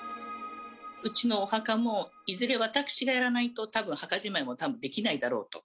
うちのお墓も、いずれ私がやらないと、たぶん墓じまいもたぶんできないだろうと。